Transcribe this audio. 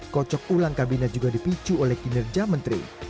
kocok ulang kabinet juga dipicu oleh kinerja menteri